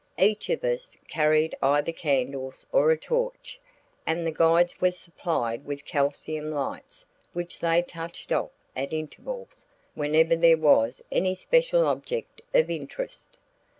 Each of us carried either candles or a torch, and the guides were supplied with calcium lights which they touched off at intervals whenever there was any special object of interest.